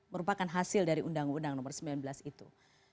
merupakan hasil dari undang undang nomor sembilan belas itu